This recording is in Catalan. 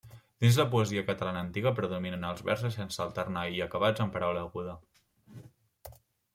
Dins la poesia catalana antiga predominen els versos sense alternar i acabats en paraula aguda.